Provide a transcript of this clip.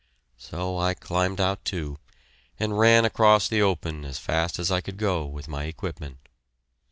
So I climbed out, too, and ran across the open as fast as I could go with my equipment.